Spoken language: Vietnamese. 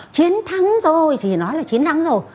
chiến thắng rồi chỉ nói là chiến thắng rồi